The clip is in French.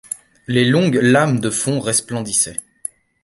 Les longues lames de fond resplendissaient.